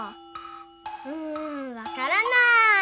うんわからない！